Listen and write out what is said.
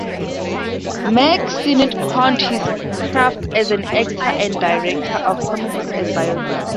Mack Sennett honed his craft as an actor and director of comedies at Biograph.